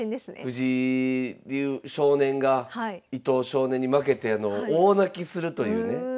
藤井少年が伊藤少年に負けて大泣きするというね。